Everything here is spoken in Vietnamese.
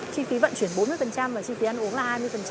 bốn mươi chi phí vận chuyển bốn mươi và chi phí ăn uống là hai mươi